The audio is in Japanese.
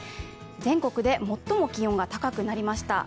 全国で最も気温が高くなりました。